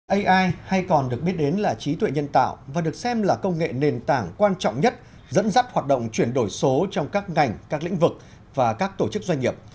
ai hay còn được biết đến là trí tuệ nhân tạo và được xem là công nghệ nền tảng quan trọng nhất dẫn dắt hoạt động chuyển đổi số trong các ngành các lĩnh vực và các tổ chức doanh nghiệp